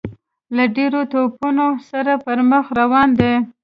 له ډیرو توپونو سره پر مخ روان دی.